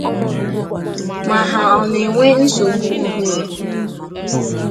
ma ha ọ na-enwe nsogbu ụbụrụ